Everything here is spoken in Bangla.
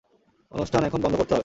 অনুষ্ঠান এখনই বন্ধ করতে হবে।